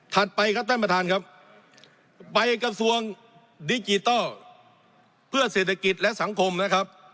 ไปครับท่านประธานครับไปกระทรวงดิจิทัลเพื่อเศรษฐกิจและสังคมนะครับ